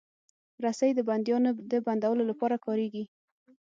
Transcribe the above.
رسۍ د بندیانو د بندولو لپاره کارېږي.